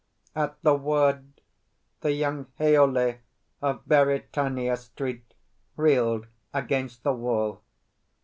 At the word, the young Haole of Beritania Street reeled against the wall.